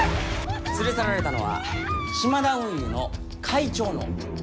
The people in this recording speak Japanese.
連れ去られたのはシマダ運輸の会長の孫。